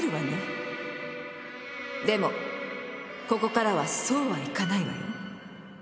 でもここからはそうはいかないわよ。